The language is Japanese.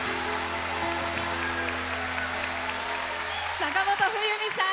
坂本冬美さん